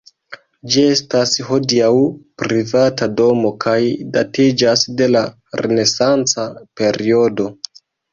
Ĝi estas hodiaŭ privata domo kaj datiĝas de la renesanca periodo.